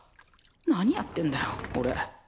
何やってんだよおれ。